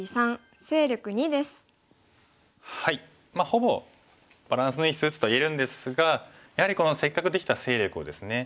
ほぼバランスのいい数値と言えるんですがやはりこのせっかくできた勢力をですね